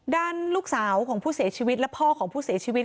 ด้านลูกสาวของผู้เสียชีวิตและพ่อของผู้เสียชีวิต